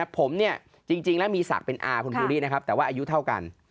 ผมเนี่ยจริงแล้วมีศักดิ์เป็นอาคุณภูรินะครับแต่ว่าอายุเท่ากัน